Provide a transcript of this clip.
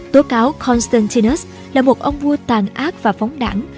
tố cáo constantinus là một ông vua tàn ác và phóng đảng